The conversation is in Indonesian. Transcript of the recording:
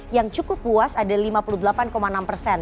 yang cukup puas ada lima puluh delapan enam persen